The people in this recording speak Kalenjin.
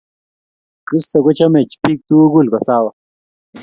Kristo kochomech biik tukul kosawa